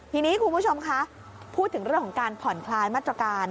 ทีนี้คุณผู้ชมคะพูดถึงเรื่องของการผ่อนคลายมาตรการ